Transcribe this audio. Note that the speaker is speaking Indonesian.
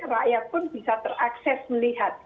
rakyat pun bisa terakses melihat